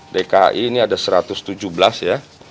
dki ini ada satu ratus tujuh belas ya